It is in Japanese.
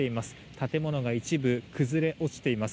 建物が一部、崩れ落ちています。